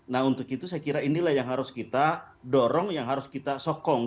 nah untuk itu saya kira inilah yang harus kita dorong yang harus kita sokong